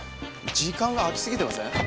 時間が空きすぎてません？